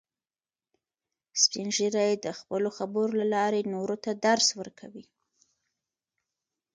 سپین ږیری د خپلو خبرو له لارې نورو ته درس ورکوي